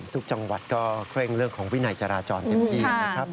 ทุกจังหวัดก็เคร่งเรื่องของวินัยจราจรเต็มที่